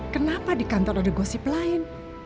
kenapa di kantor ada gosip lain